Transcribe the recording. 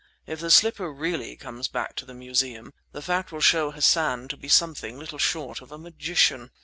If the slipper really comes back to the Museum the fact will show Hassan to be something little short of a magician.